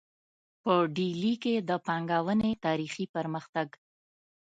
په ډیلي کې د پانګونې تاریخي پرمختګ